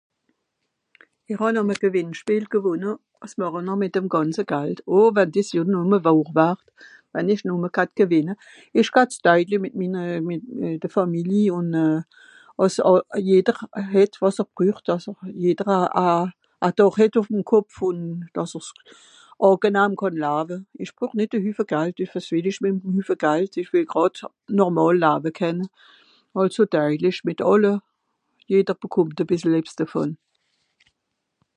Que feriez vous en cause gains à un jeu de lotterie . Ah si seulement c'était vrai Si seulement je gagnais Je le partagerai avec la famille pour que chacun ait ce qu'il lui faut : un toit au dessus de sa tête et puisse vivre agréablement je veux pas trop d'argent, je veux juste vivre normalement , assez pour les besoins quotidiens Chacun aura un peu quelque chose